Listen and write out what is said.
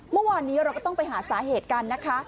เมื่อวานนี้เราก็ต้องไปหาสาเหตุกันนะคะ